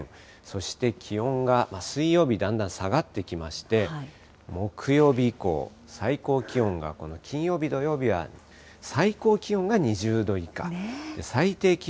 そして気温が、水曜日だんだん下がってきまして、木曜日以降、最高気温が金曜日、土曜日は最高気温が２０度以下。